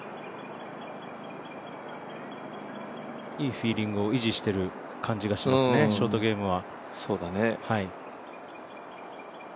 いいフィーリングを維持している感じがしますね、ショートゲームは。